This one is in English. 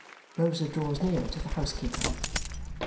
Rosa draws nearer to the housekeeper.